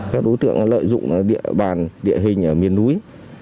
các đối tượng lợi dụng địa bàn địa hình ở miền núi